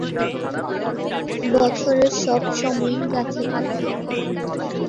বছরের সব সময়ই গাছে পাতা থাকে।